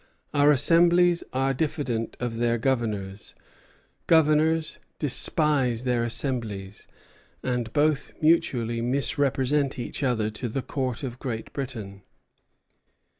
Our assemblies are diffident of their governors, governors despise their assemblies; and both mutually misrepresent each other to the Court of Great Britain."